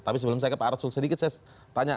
tapi sebelum saya ke pak arsul sedikit saya tanya